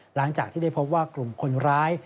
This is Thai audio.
หลังจากที่ได้พบว่ากลุ่มคนร้าย